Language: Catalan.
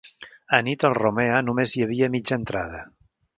Anit al Romea, només hi havia mitja entrada.